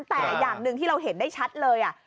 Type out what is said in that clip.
แต่อย่างหนึ่งที่เราเห็นได้ชัดเลย